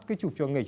cứ chụp cho nghịch